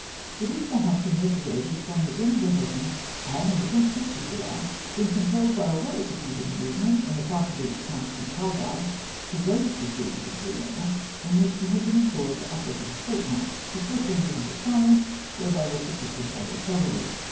It is, perhaps, here necessary to explain that General Duhesme had on the 26th of July been compelled by a well executed movement on the part of the Count de Caldagues, to raise the siege of Gerona, in which he had been employed for upwards of a fortnight, liis force being driven to Sarria, where they were protected by then cavahy.